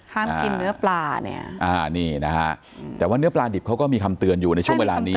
กินเนื้อปลาเนี่ยอ่านี่นะฮะแต่ว่าเนื้อปลาดิบเขาก็มีคำเตือนอยู่ในช่วงเวลานี้